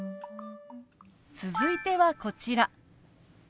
続いてはこちら。